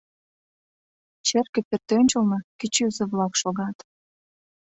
Черке пӧртӧнчылнӧ кӱчызӧ-влак шогат.